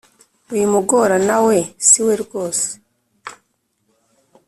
Wimugora nawe siwe rwose